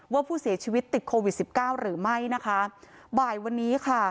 ว่าผู้เสียชีวิตติดโควิดสิบเก้าหรือไม่นะคะบ่ายวันนี้ค่ะ